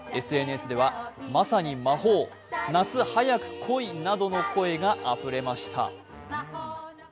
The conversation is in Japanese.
ＳＮＳでは、まさに魔法、夏早く来いなどの声があふれました。